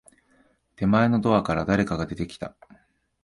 手前のドアから、誰かが出てきた。